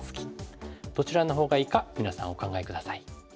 どちらのほうがいいか皆さんお考え下さい。